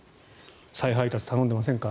再配達頼んでませんか？